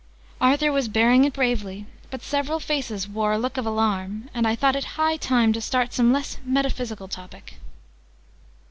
Arthur was bearing it bravely: but several faces wore a look of alarm, and I thought it high time to start some less metaphysical topic.